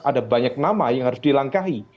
ada banyak nama yang harus dilangkahi